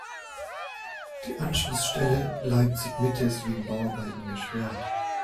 Die Anschlussstelle Leipzig-Mitte ist wegen Bauarbeiten gesperrt.